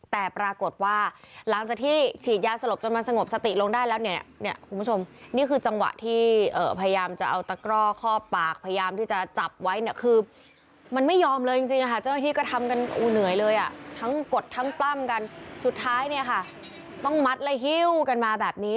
เลยอ่ะทั้งกดทั้งปั้มกันสุดท้ายเนี้ยค่ะต้องมัดละหิ้วกันมาแบบนี้